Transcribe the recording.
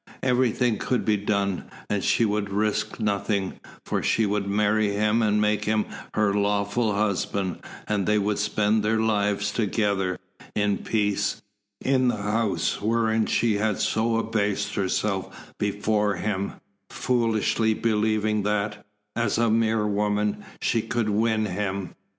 Everything could be done, and she would risk nothing, for she would marry him and make him her lawful husband, and they would spend their lives together, in peace, in the house wherein she had so abased herself before him, foolishly believing that, as a mere woman, she could win him.